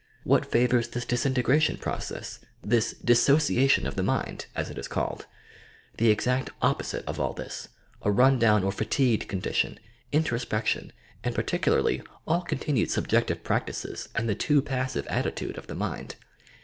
What favours this disintegration process, — this "disso ciation of the mind," as it is called V The exact oppo site of all this — a run down or fatigued condition, in trospection, and particularly all continued subjective practices and the too passive attitude of the mind.